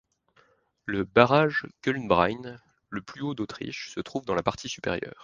Le barrage Kölnbrein, le plus haut d'Autriche, se trouve dans la partie supérieure.